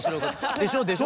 でしょでしょ？